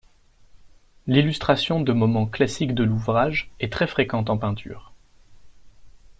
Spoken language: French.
L'illustration de moments classiques de l'ouvrage est très fréquente en peinture.